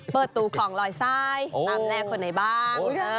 เปิดประตูคลองลอยทรายตามแรกคนในบาง